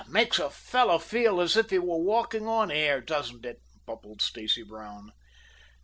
"Makes a fellow feel as if he were walking on air, doesn't it?" bubbled Stacy Brown.